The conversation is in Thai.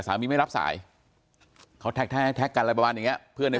สามีไม่รับสายเขาแท็กกันอะไรประมาณเงี้ยเพื่อนใน